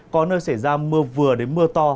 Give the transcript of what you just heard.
có nơi xảy ra mưa vừa đến mưa to